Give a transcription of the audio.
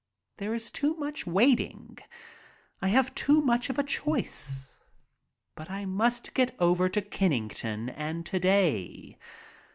There is too much waiting. I have too much of a choice. But I must get over to Kennington, and to day.